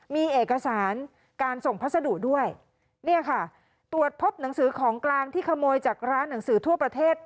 มีเอกสารการส่งพัสดุด้วยเนี่ยค่ะตรวจพบหนังสือของกลางที่ขโมยจากร้านหนังสือทั่วประเทศ